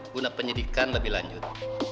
guna penyidikan lebih lanjut